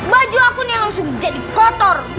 baju aku nih langsung jadi gotor